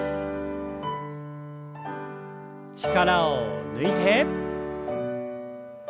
力を抜いて。